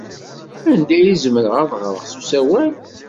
Anda ay zemreɣ ad ɣreɣ s usawal?